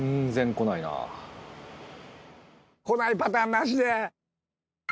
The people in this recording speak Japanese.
来ないパターンなしで！